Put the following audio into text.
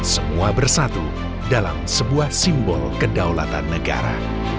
semua bersatu dalam sebuah simbol kedaulatan negara